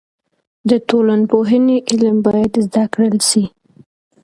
د ټولنپوهنې علم باید زده کړل سي.